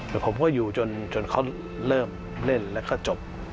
แต่ผมก็อยู่จนเขาเริ่มเล่นแล้วก็จบ